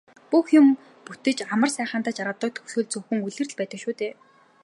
Бүх юм бүтэж амар сайхандаа жаргадаг төгсгөл зөвхөн үлгэрт л байдаг шүү дээ.